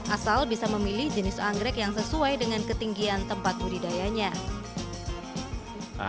asal bisa memilih jenis anggrek yang sesuai dengan ketinggian tempat budidayanya